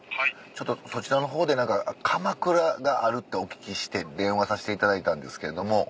そちらの方でかまくらがあるってお聞きして電話させていただいたんですけれども。